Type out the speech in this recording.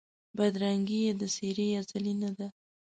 بدرنګي یې د څېرې ازلي نه ده